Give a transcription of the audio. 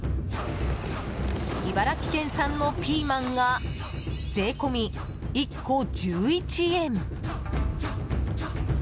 茨城県産のピーマンが税込１個１１円。